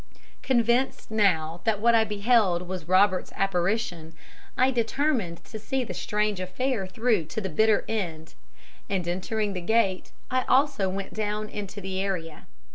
"Convinced now that what I beheld was Robert's apparition, I determined to see the strange affair through to the bitter end, and entering the gate, I also went down into the area.